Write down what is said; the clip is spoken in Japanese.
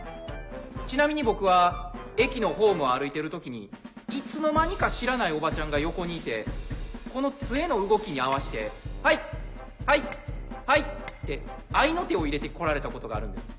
ちなみに僕は駅のホームを歩いてる時にいつの間にか知らないおばちゃんが横にいてこの杖の動きに合わして「はいはいはい」って合いの手を入れて来られたことがあるんです。